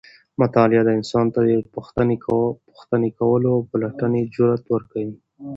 مطالعه انسان ته د پوښتنې کولو او پلټنې جرئت ورکوي.